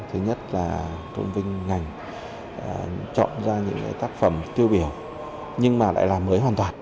thứ nhất là tôn vinh ngành chọn ra những tác phẩm tiêu biểu nhưng mà lại làm mới hoàn toàn